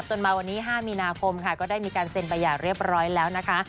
มาวันนี้๕มีนาคมค่ะก็ได้มีการเซ็นประหยัดเรียบร้อยแล้วนะคะ